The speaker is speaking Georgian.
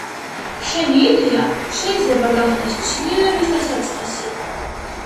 შენი იდეა შეიძლება გახდეს ცვლილების დასაწყისი